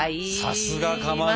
さすがかまど！